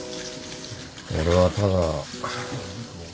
俺はただ。